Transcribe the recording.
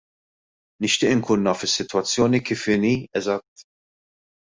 Nixtieq inkun naf is-sitwazzjoni kif inhi eżatt.